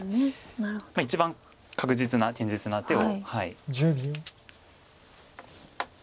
一番確実な堅実な手を。